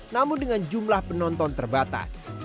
namun dengan jumlah penonton terbatas